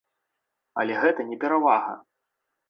Але гэта не перавага.